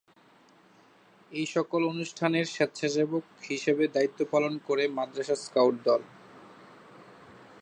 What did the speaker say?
এইসকল অনুষ্ঠানের স্বেচ্ছাসেবক হিসাবে দায়িত্ব পালন করে মাদ্রাসা স্কাউট দল।